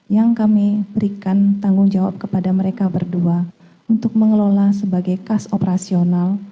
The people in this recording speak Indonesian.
yang kami berikan tanggung jawab kepada mereka berdua untuk mengelola sebagai kas operasional